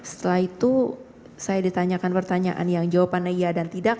setelah itu saya ditanyakan pertanyaan yang jawabannya iya dan tidak